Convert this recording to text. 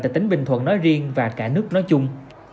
tại tỉnh bình thuận nói riêng và cả nước nói chung